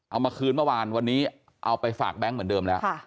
เอามาคืนเมื่อวานวันนี้เอาไปฝากแบงค์เหมือนเดิมแล้ว